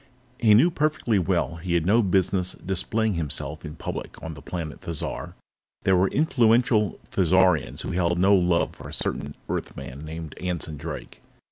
He knew perfectly well that he had no business displaying himself in public on the planet Thizar; there were influential Thizarians who held no love for a certain Earthman named Anson Drake.